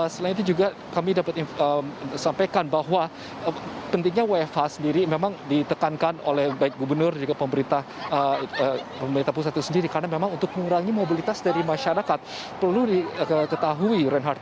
selain itu juga kami dapat sampaikan bahwa pentingnya wfh sendiri memang ditekankan oleh baik gubernur juga pemerintah pusat itu sendiri karena memang untuk mengurangi mobilitas dari masyarakat perlu diketahui reinhardt